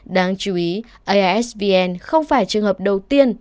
đáng chú ý aisvn không phải trường hợp đầu tiên